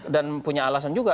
dan punya alasan juga